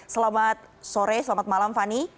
selamat sore selamat malam fani